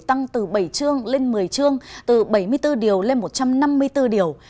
tăng từ bảy chương lên một mươi chương từ bảy mươi bốn điều lên một trăm năm mươi bốn điều